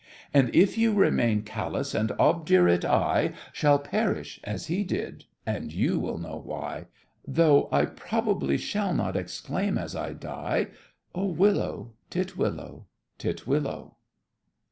And if you remain callous and obdurate, I Shall perish as he did, and you will know why, Though I probably shall not exclaim as I die, "Oh, willow, titwillow, titwillow!"